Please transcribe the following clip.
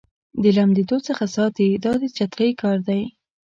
د لمدېدو څخه ساتي دا د چترۍ کار دی.